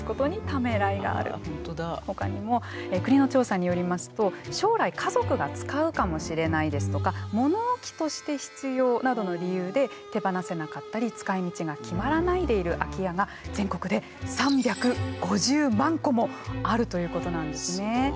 ほかにも国の調査によりますと将来家族が使うかもしれないですとか物置として必要などの理由で手放せなかったり使いみちが決まらないでいる空き家が全国で３５０万戸もあるということなんですね。